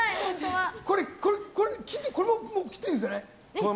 これ、もう切っていいんですね。